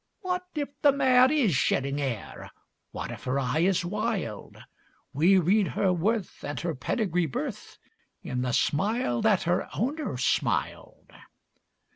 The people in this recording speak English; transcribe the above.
'What if the mare is shedding hair! What if her eye is wild! We read her worth and her pedigree birth In the smile that her owner smiled.